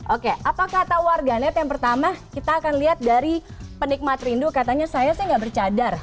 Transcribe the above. oke apa kata warganet yang pertama kita akan lihat dari penikmat rindu katanya saya sih nggak bercadar